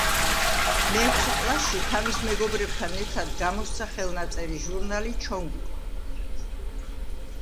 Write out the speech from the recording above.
მეექვსე კლასში თავის მეგობრებთან ერთად გამოსცა ხელნაწერი ჟურნალი „ჩონგური“.